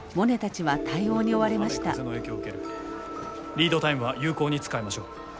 リードタイムは有効に使いましょう。